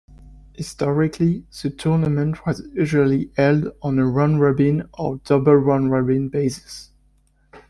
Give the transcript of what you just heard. Historically, the tournament was usually held on a round-robin or double round-robin basis.